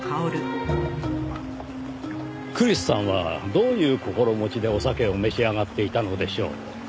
クリスさんはどういう心持ちでお酒を召し上がっていたのでしょう？